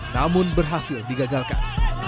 namun berhasil digagalkan